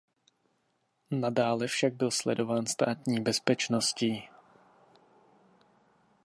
Nadále však byl sledován Státní bezpečností.